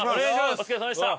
お疲れさまでした！